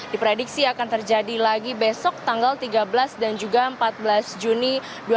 diprediksi akan terjadi lagi besok tanggal tiga belas dan juga empat belas juni dua ribu dua puluh